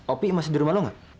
opi masih di rumah lo gak